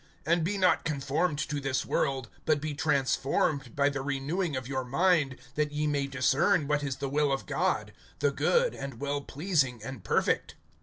(2)And be not conformed to this world; but be transformed by the renewing of your mind, that ye may discern what is the will of God, the good, and well pleasing, and perfect.